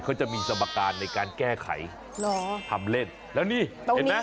เขาจะมีสมการในการแก้ไขเหรอทำเล่นแล้วนี่เห็นไหม